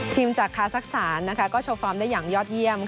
ทีมจากฮาสักษัณฑ์ก็โชว์ฟอร์มได้อย่างยอดเยี่ยม